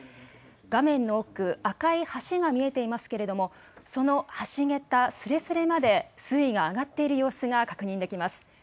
画面の奥、赤い橋が見えていますけれども、その橋桁、すれすれまで水位が上がっている様子が確認できます。